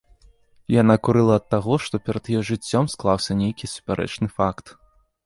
Яна курыла ад таго, што перад яе жыццём склаўся нейкі супярэчны факт.